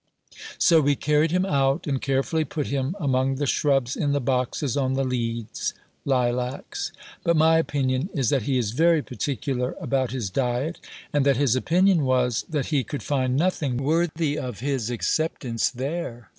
So we carried him out and carefully put him among the shrubs in the boxes on the leads (lilacs). But my opinion is that he is very particular about his diet and that his opinion was that he could find nothing worthy of his acceptance there.